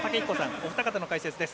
お二方の解説です。